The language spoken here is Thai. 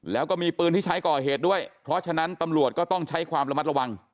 แล้วก็มีปืนที่ใช้ก่อเหตุด้วยเพราะฉะนั้นตำรวจก็ต้องใช้ความระมัดระวัง